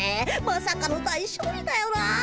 まさかの大勝利だよな。